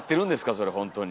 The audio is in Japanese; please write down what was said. それ本当に。